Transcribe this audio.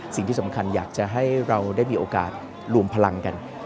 สิ่งที่สำคัญอยากจะให้เราได้มีโอกาสรวมพลังกัน